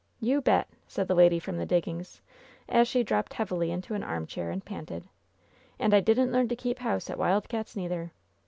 "You bet!" said the lady from the diggings, as she dropped heavily into an armchair and panted. "And I didn't learn to keep house at Wild Cats', neither